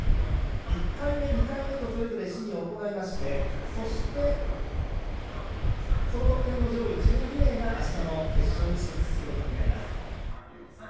１回目、２回目とそれぞれ試技を行いましてそして、その得点の上位１２名があしたの決勝に進出することになります。